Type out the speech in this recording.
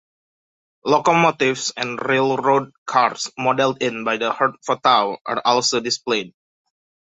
Locomotives and railroad cars modeled in the by Herb Votaw are also displayed.